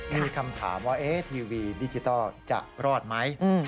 มีคำถามว่าทีวีดิจิทัลจะรอดไหม